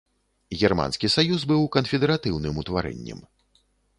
Германскі саюз быў канфедэратыўным утварэннем.